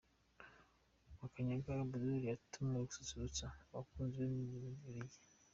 Makanyaga Abuduru yatumiwe gususurutsa abakunzi be mu Bubiligi